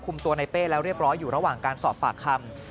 ตัวในเป้แล้วเรียบร้อยอยู่ระหว่างการสอบปากคำ